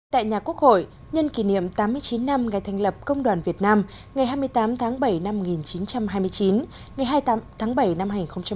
tại nhà quốc hội nhân kỷ niệm tám mươi chín năm ngày thành lập công đoàn việt nam ngày hai mươi tám tháng bảy năm một nghìn chín trăm hai mươi chín ngày hai mươi tám tháng bảy năm hai nghìn một mươi chín